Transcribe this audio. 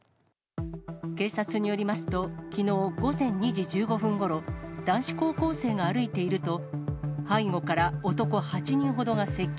警察によりますと、きのう午前２時１５分ごろ、男子高校生が歩いていると、背後から男８人ほどが接近。